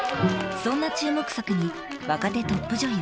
そんな注目作に若手トップ女優